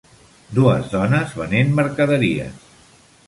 Dues dones venent mercaderies.